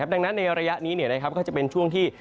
ดังนั้นในระยะนี้ก็จะเป็นช่วงที่